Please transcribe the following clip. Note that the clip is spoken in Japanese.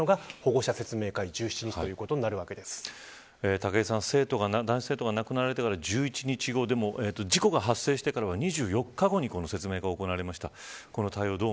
武井さん、男子生徒が亡くなられてから１１日後でも事故が発生してから２４日後に説明が行われました。